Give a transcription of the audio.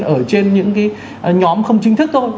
ở trên những cái nhóm không chính thức thôi